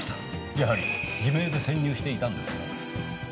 やはり偽名で潜入していたんですね。